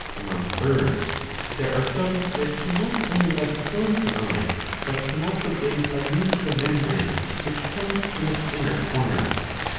^^ Among birds there are some that can not only thus close the eye, but can also blink by means of a membrane which comes from its inner corner.